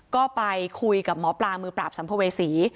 ก็ไปคุยกับหมอปลามือปราบสัมภเวษี